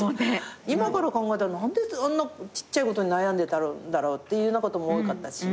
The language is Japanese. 今から考えたら何であんなちっちゃいことに悩んでたんだろうっていうようなことも多かったし。